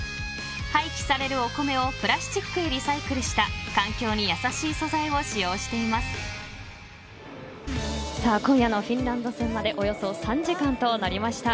廃棄されるお米をプラスチックへリサイクルした環境に優しい素材を今夜のフィンランド戦までおよそ３時間となりました。